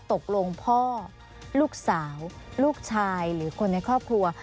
ตกลงพ่อลูกสาวลูกชายหรือคนในครอบครัว